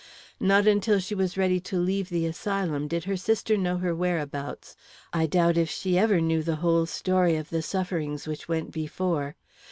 Not until she was ready to leave the asylum, did her sister know her whereabouts; I doubt if she ever knew the whole story of the sufferings which went before.